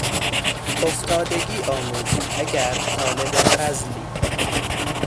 افتادگی آموز اگر طالب فضلی